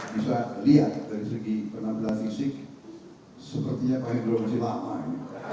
bisa dilihat dari segi penampilan fisik sepertinya pak heru masih lama